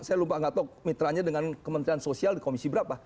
saya lupa nggak tahu mitranya dengan kementerian sosial di komisi berapa